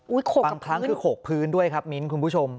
โอ้ยโขกกับพื้นบางครั้งคือโขกพื้นด้วยครับมิ้นท์คุณผู้ชม